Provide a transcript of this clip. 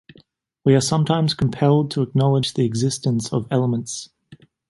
We are sometimes compelled to acknowledge the existence of elements.